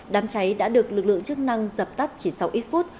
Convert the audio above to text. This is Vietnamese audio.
đám cháy đã được lực lượng chức năng dập tắt chỉ sau ít phút